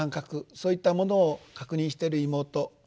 そういったものを確認している妹。